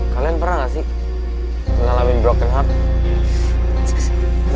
kalian pernah gak sih ngalamin broken heart